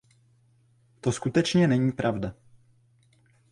To skutečně není pravda.